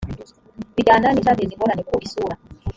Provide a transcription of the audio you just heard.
bijyana n icyateza ingorane ku isura